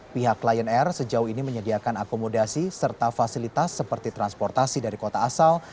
pihak lion air sejauh ini menyediakan akomodasi serta fasilitas seperti transportasi dari kota asal